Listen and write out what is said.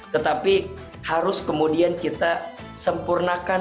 tetapi harus kemudian kita sempurnakan